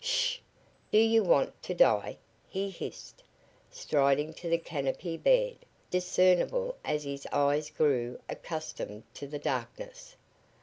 "Sh! Do you want to die?" he hissed, striding to the canopy bed, discernible as his eyes grew accustomed to the darkness.